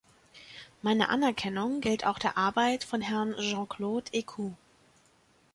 Meine Anerkennung gilt auch der Arbeit von Herrn Jean-Claude Eeckhout.